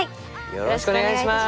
よろしくお願いします。